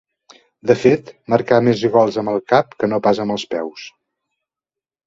De fet marcà més gols amb el cap que no pas amb els peus.